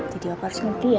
jadi opa harus ngerti ya